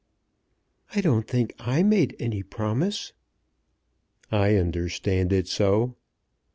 "I don't think I made any promise." "I understand it so."